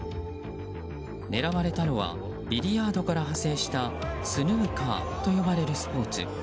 狙われたのはビリヤードから派生したスヌーカーと呼ばれるスポーツ。